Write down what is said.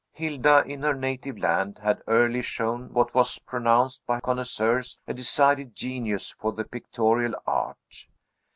Hilda, in her native land, had early shown what was pronounced by connoisseurs a decided genius for the pictorial art.